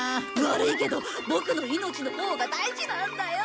悪いけどボクの命のほうが大事なんだよ！